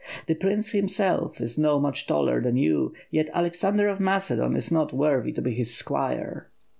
The Prince himeelf is not much taller than you, yet Alex ander of Macedon is not worthy to be his squire."